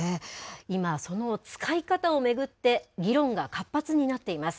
今、その使い方を巡って、議論が活発になっています。